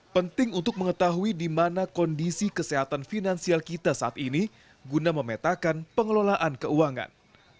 penting untuk mengetahui di mana kondisi kesehatan finansial kita saat ini guna memetakan pengelolaan keuangan